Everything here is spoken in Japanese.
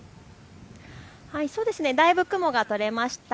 だいぶ雲が取れました。